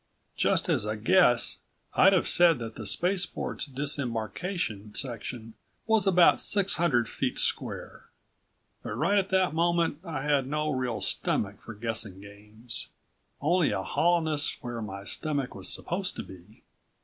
Just as a guess, I'd have said that the spaceport's disembarkation section was about six hundred feet square. But right at that moment I had no real stomach for guessing games only a hollowness where my stomach was supposed to be.